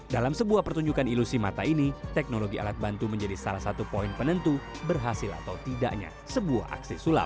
dalam sebuah pertunjukan ilusi mata ini teknologi alat bantu menjadi salah satu poin penentu berhasil atau tidaknya sebuah aksi sulap